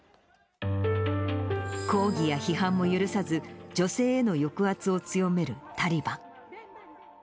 抗議や批判も許さず、女性への抑圧を強めるタリバン。